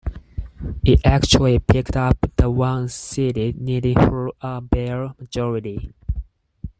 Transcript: It actually picked up the one seat it needed for a bare majority.